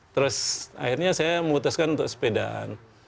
terus akhirnya saya memutuskan untuk sepedaan